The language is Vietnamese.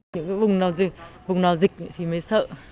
những vùng nào dịch thì mới sợ